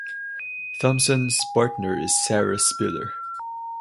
Thomson's partner is Sarah Spiller.